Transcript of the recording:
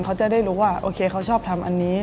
เขาจะได้รู้ว่าโอเคเขาชอบทำอันนี้